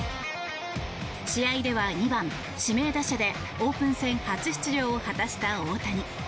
試合では２番指名打者でオープン戦初出場を果たした大谷。